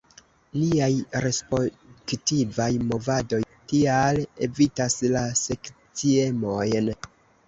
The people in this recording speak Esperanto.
Niaj respektivaj movadoj tial evitas la sekciemojn.